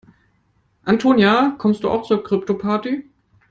Antonia, kommst du auch zur Kryptoparty?